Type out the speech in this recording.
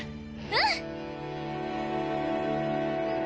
うん！